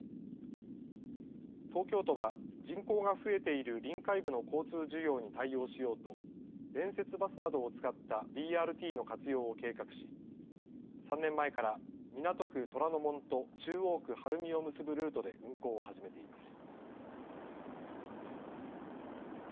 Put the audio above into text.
東京都は人口が増えている臨海部の交通需要に対応しようと連節バスなどを使ったＢＲＴの活用を計画し３年前から港区虎ノ門と中央区晴海を結ぶルートで運行を始めています。